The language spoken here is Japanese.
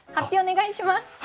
発表お願いします。